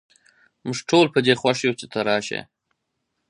موږ ټول په دي خوښ یو چې ته راشي